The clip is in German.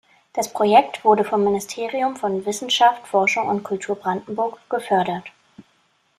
Das Projekt wurde vom Ministerium von Wissenschaft, Forschung und Kultur Brandenburg gefördert.